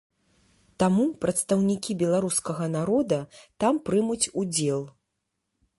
Таму прадстаўнікі беларускага народа там прымуць удзел.